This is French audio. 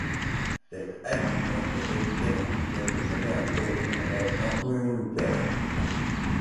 Cet adjuvant est ajouté à l'antigène de manière à provoquer une réaction immunitaire.